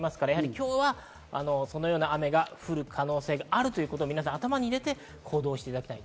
今日は、そのような雨が降る可能性があるということを頭に入れて行動してください。